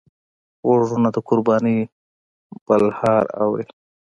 غوږونه د قربانۍ بلهار اوري